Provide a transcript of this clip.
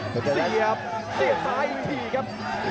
สีเอียบสีเอียบซ้ายอีกทีครับ